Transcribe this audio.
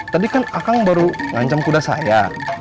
tadi kan akang baru ngancam kuda saya